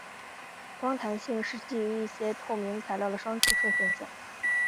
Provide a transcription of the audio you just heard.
光弹性是基于一些透明材料的双折射现象。